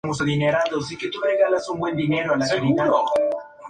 Poco a poco reinicia su relación con Kaji.